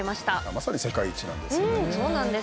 まさに世界一なんですね。